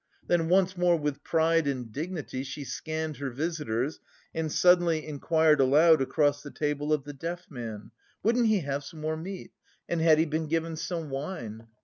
Then once more with pride and dignity she scanned her visitors, and suddenly inquired aloud across the table of the deaf man: "Wouldn't he have some more meat, and had he been given some wine?"